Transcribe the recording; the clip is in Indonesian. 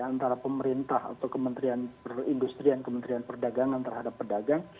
antara pemerintah atau kementerian perindustrian kementerian perdagangan terhadap pedagang